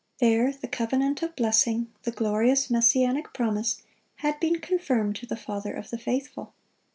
(5) There, the covenant of blessing, the glorious Messianic promise, had been confirmed to the father of the faithful.